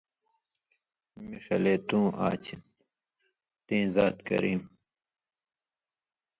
می ݜلے توں آچھے تھی تئیں زات کریم